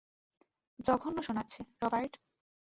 জঘন্য শোনাচ্ছে, রবার্ট।